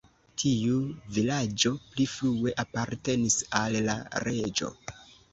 Tiu vilaĝo pli frue apartenis al la reĝo.